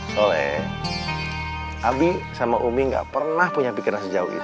sekali lagi terima kasih